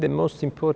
evfta sẽ có